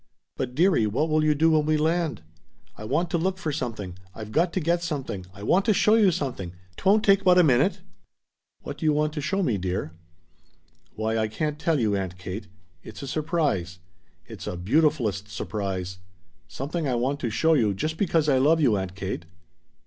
"But, dearie, what will you do when we land?" "I want to look for something. I've got to get something. I want to show you something. 'Twon't take but a minute." "What do you want to show me, dear?" "Why I can't tell you, Aunt Kate. It's a surprise. It's a beautifulest surprise. Something I want to show you just because I love you, Aunt Kate."